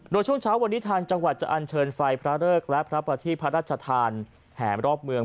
โดยช่วงเช้าวันนี้ทางจังหวัดจะอันเชิญไฟพระเริกและพระประทีพระราชทานแห่รอบเมือง